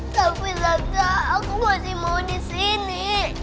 tapi fakta aku masih mau di sini